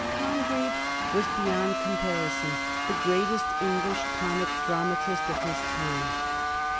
Congreve was beyond comparison the greatest English comic dramatist of his time.